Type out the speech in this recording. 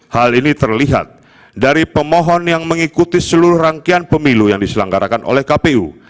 hal ini terlihat dari pemohon yang mengikuti seluruh rangkaian pemilu yang diselenggarakan oleh kpu